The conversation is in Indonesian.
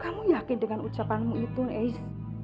kamu yakin dengan ucapanmu itu ais